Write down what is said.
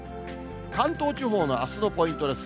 関東地方のあすのポイントです。